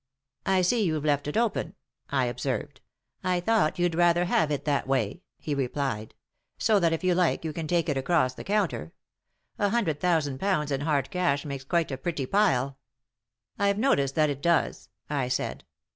' I see you've left it open,' I observed. ' I thought you'd rather have it that way/ he replied, ' so that if you like you can take it across the counter ; a hundred thousand pounds in hard cash makes quite a pretty pile.' ' I've noticed that it does,' I said.